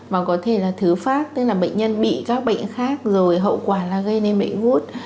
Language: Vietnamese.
mà có thể là thứ phát tức là bệnh nhân bị các bệnh khác rồi hậu quả là gây nên bệnh gút